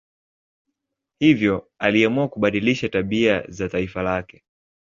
Hivyo aliamua kubadilisha tabia za taifa lake.